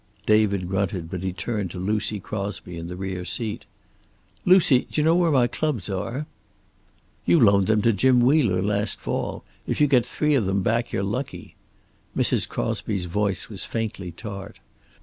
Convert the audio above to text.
David grunted, but he turned to Lucy Crosby, in the rear seat: "Lucy, d'you know where my clubs are?" "You loaned them to Jim Wheeler last fall. If you get three of them back you're lucky." Mrs. Crosby's voice was faintly tart.